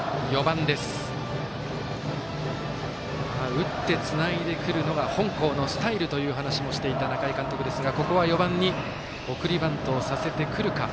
打ってつないでくるのが本校のスタイルと話もしていた仲井監督ですがここは４番に送りバントをさせてくるか。